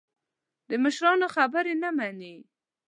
د مشرانو خبرې نه مني.